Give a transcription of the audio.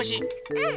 うん！